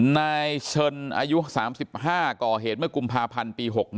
นายเชิญอายุ๓๕ก่อเหตุเมื่อกุมภาพันธ์ปี๖๑